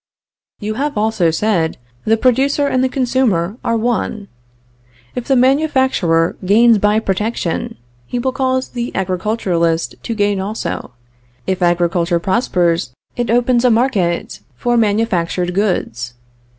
"You have also said, the producer and the consumer are one. If the manufacturer gains by protection, he will cause the agriculturist to gain also; if agriculture prospers, it opens a market for manufactured goods.